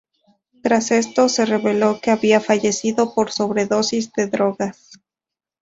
Tras esto, se reveló que había fallecido por sobredosis de drogas.